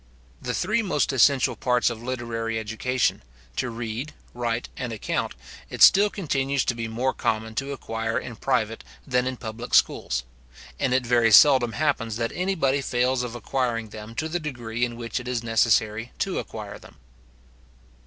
The three most essential parts of literary education, to read, write, and account, it still continues to be more common to acquire in private than in public schools; and it very seldom happens, that anybody fails of acquiring them to the degree in which it is necessary to acquire them.